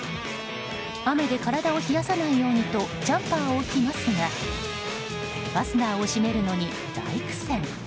雨で体を冷やさないようにとジャンパーを着ますがファスナーを閉めるのに大苦戦。